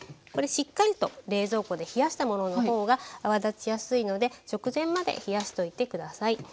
これしっかりと冷蔵庫で冷やしたものの方が泡立ちやすいので直前まで冷やしておいて下さい。